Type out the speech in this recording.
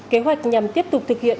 kế hoạch nhằm tiếp tục thực hiện